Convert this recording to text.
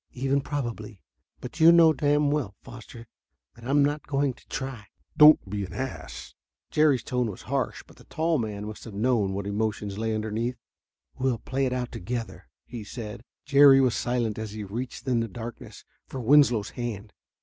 "Even probably. But you know damn well, Foster, that I'm not going to try." "Don't be an ass." Jerry's tone was harsh, but the tall man must have known what emotions lay underneath. "We'll play it out together," he said. Jerry was silent as he reached in the darkness for Winslow's hand.